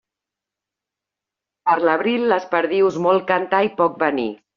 Per l'abril les perdius molt cantar i poc venir.